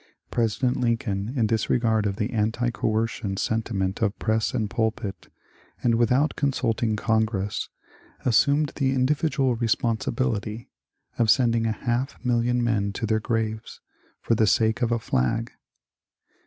President Lincoln, in disregard of the anti coercion sentiment of press and pulpit, and with out consulting Congress, assumed the individual responsibility of sending a half million men to their graves for the sake of a flag.